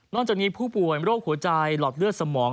จากนี้ผู้ป่วยโรคหัวใจหลอดเลือดสมอง